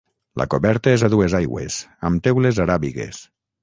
La coberta és a dues aigües, amb teules aràbigues.